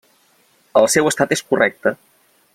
El seu estat és correcte.